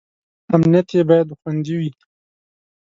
امنیت یې باید خوندي وي.